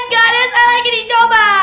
nggak ada salah lagi dicoba